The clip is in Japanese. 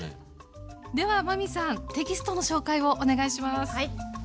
では真海さんテキストの紹介をお願いします。